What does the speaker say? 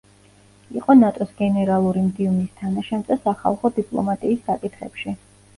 იყო ნატოს გენერალური მდივნის თანაშემწე სახალხო დიპლომატიის საკითხებში.